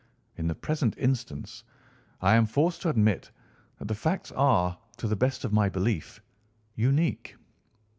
In the present instance I am forced to admit that the facts are, to the best of my belief, unique."